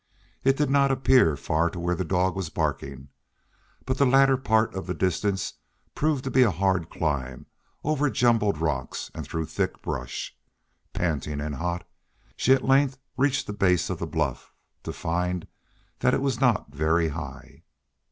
It did not appear far to where the dog was barking, but the latter part of the distance proved to be a hard climb over jumbled rocks and through thick brush. Panting and hot, she at length reached the base of the bluff, to find that it was not very high.